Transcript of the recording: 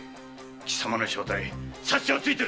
貴様の正体察しはついているぞ。